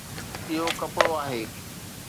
اهو ڪپڙو آهي